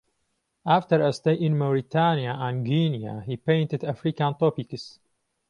After a stay in Mauritania and Guinea he painted African topics.